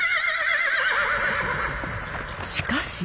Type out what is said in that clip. しかし。